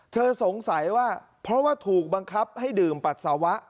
สงสัยว่าเพราะว่าถูกบังคับให้ดื่มปัสสาวะ